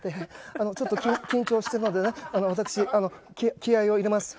ちょっと緊張しているので私、気合を入れます。